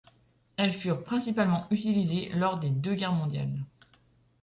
Elles furent principalement utilisés lors des deux guerres mondiales.